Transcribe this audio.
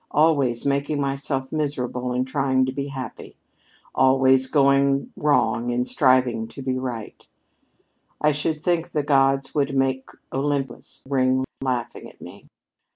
Always making myself miserable in trying to be happy! Always going wrong in striving to be right! I should think the gods would make Olympus ring laughing at me!